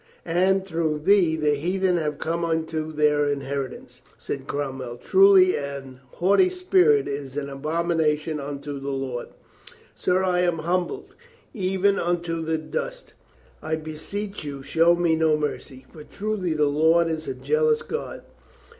"And through thee the heathen have come into their inheritance," said Cromwell. "Truly an haughty spirit is an abomination unto the Lord." "Sir, I am humbled, even unto the dust. I be seech you show me no mercy. For truly the Lord is a jealous God."